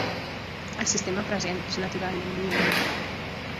El sistema present és naturalment violent.